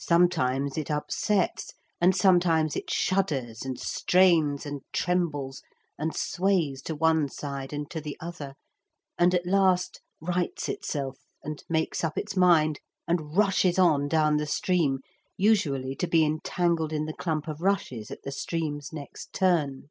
Sometimes it upsets; and sometimes it shudders and strains and trembles and sways to one side and to the other, and at last rights itself and makes up its mind, and rushes on down the stream, usually to be entangled in the clump of rushes at the stream's next turn.